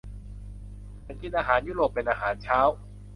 ฉันกินอาหารยุโรปเป็นอาหารเช้า